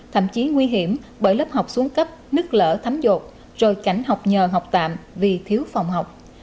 thậm chí nguy hiểm bởi lớp học xuống cấp nứt lỡ thấm rột rồi cảnh học nhờ học tạm vì thiếu phòng học